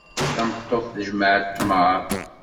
Tameṭṭut tjemmeɛ tmeṛ.